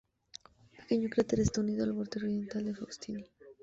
Un pequeño cráter está unido al borde oriental de Faustini.